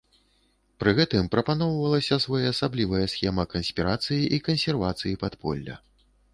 Пры гэтым прапаноўвалася своеасаблівая схема канспірацыі і кансервацыі падполля.